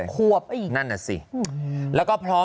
และจะพร้อม